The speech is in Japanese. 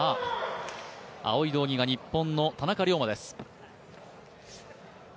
青い道着が日本の田中龍馬です。